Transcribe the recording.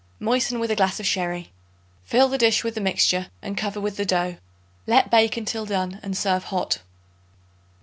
Moisten with a glass of sherry. Fill the dish with the mixture and cover with the dough. Let bake until done and serve hot.